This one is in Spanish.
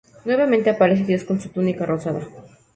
Nuevamente, aparece Dios con su túnica rosada.